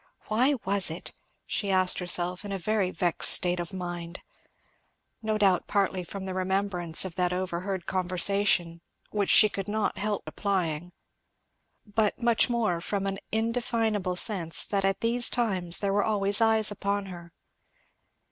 Why was it? she asked herself in a very vexed state of mind. No doubt partly from the remembrance of that overheard conversation which she could not help applying, but much more from an indefinable sense that at these times there were always eyes upon her.